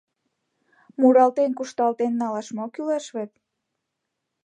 Муралтен, кушталтен налаш мо кӱлеш вет?